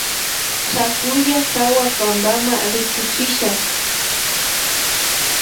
Hakulla hawa pampama rikuchisha